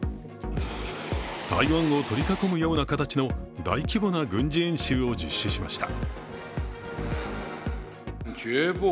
台湾を取り囲むような形の大規模な軍事演習を実施しました。